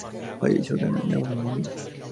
Falleció de neumonía.